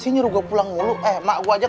satu sama ya